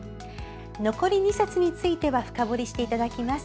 残り２冊については深掘りしていただきます。